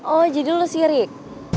oh jadi lo sirik